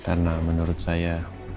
karena menurut saya